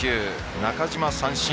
中島三振。